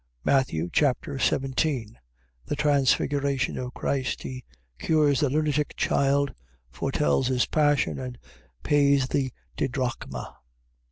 Matthew Chapter 17 The Transfiguration of Christ: He cures the lunatic child: foretells his passion; and pays the didrachma.